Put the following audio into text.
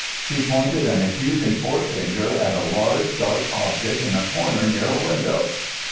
She pointed an accusing forefinger at a large dark object in a corner near a window.